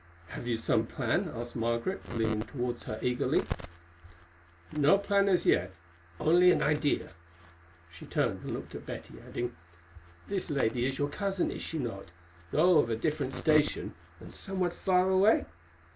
"Have you some plan?" asked Margaret, leaning towards her eagerly. "No plan as yet, only an idea." She turned and looked at Betty, adding, "This lady is your cousin, is she not, though of a different station, and somewhat far away?"